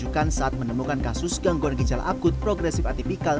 yang diharuskan saat menemukan kasus gangguan gejala akut progresif atipikal